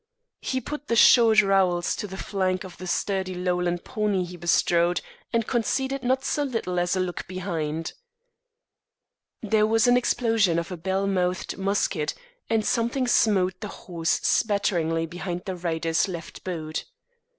He put the short rowels to the flanks of the sturdy lowland pony he bestrode, and conceded not so little as a look behind. There was the explosion of a bell mouthed musket, and something smote the horse spatteringly behind the rider's left boot.